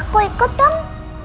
kau ikut dong